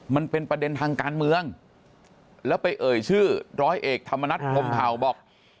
มันเป็นประเด็นทางการเมืองแล้วไปเอ่ยชื่อร้อยเอกธรรมนัฐพรมเผาบอก